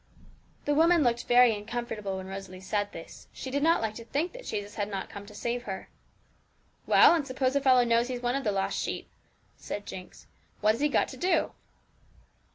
The woman looked very uncomfortable when Rosalie said this; she did not like to think that Jesus had not come to save her. 'Well, and suppose a fellow knows he's one of the lost sheep,' said Jinx, 'what has he got to do?'